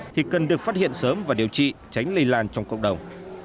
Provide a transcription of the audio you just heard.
thì cần được phát hiện sớm và điều trị tránh lây lan trong cộng đồng